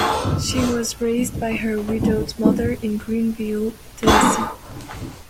She was raised by her widowed mother in Greeneville, Tennessee.